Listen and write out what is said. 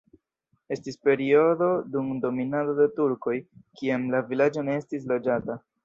Estis periodo dum dominado de turkoj, kiam la vilaĝo ne estis loĝata.